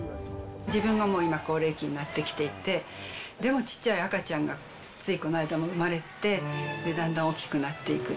自分が今高齢期になってきていて、でもちっちゃい赤ちゃんがついこの間も産まれて、だんだん大きくなっていく。